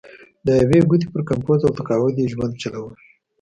د یوې ګوتې پر کمپوز او تقاعد یې ژوند چلوله.